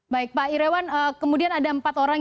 baik pak iryawan kemudian ada empat orang